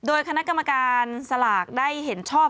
โดยคณะกรรมการสลากได้เห็นชอบ